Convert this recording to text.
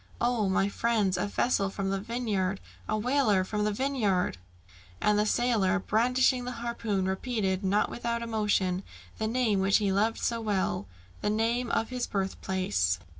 Oh, my friends, a vessel from the Vineyard! a whaler from the Vineyard!" A port in the State of New York. And the sailor brandishing the harpoon, repeated, not without emotion, the name which he loved so well the name of his birthplace.